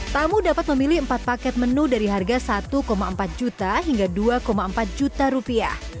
tamu dapat memilih empat paket menu dari harga satu empat juta hingga dua empat juta rupiah